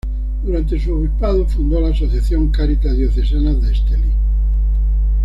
Durante su obispado fundó la Asociación Caritas Diocesanas de Estelí.